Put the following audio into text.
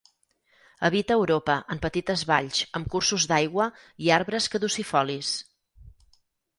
Habita Europa, en petites valls amb cursos d'aigua i arbres caducifolis.